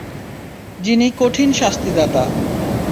যিনি কঠিন শাস্তিদাতা।